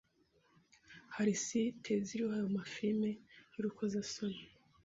hari site ziriho ayo mafirime yurukozasoni